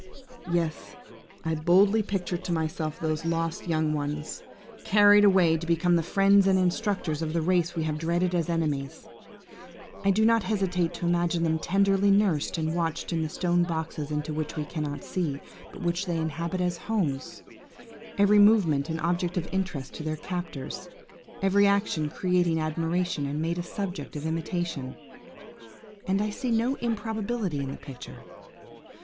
Yes! I boldly picture to myself those lost young ones, carried away to become the friends and instructors of the race we have dreaded as enemies. I do not hesitate to imagine them tenderly nursed and watched in the stone boxes into which we cannot see, but which they inhabit as homes–every movement an object of interest to their captors, every action creating admiration, and made a subject of imitation–and I see no improbability in the picture!